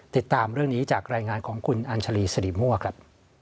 ติดตามเรื่องนี้จากรายงานของคุณอัญชาลีสิริมั่วครับ